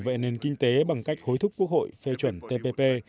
về nền kinh tế bằng cách hối thúc quốc hội phê chuẩn tpp